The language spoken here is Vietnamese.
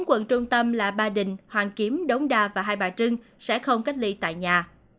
bốn quận trung tâm là ba đình hoàng kiếm đống đa và hai bà trưng sẽ không cách ly tại nhà